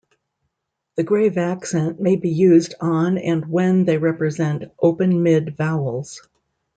The grave accent may be used on and when they represent open-mid vowels.